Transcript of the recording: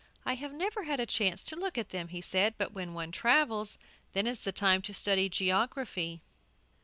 "I have never had a chance to look at them," he said; "but when one travels, then is the time to study geography."